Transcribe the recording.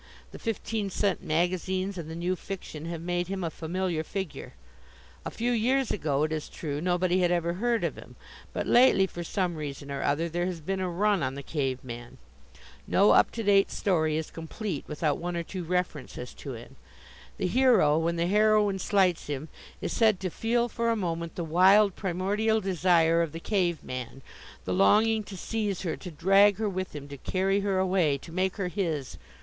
The fifteen cent magazines and the new fiction have made him a familiar figure. A few years ago, it is true, nobody had ever heard of him. But lately, for some reason or other, there has been a run on the cave man. No up to date story is complete without one or two references to him. The hero, when the heroine slights him, is said to "feel for a moment the wild, primordial desire of the cave man, the longing to seize her, to drag her with him, to carry her away, to make her his."